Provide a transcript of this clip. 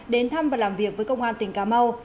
đến thăm và làm việc với công an tỉnh cà mau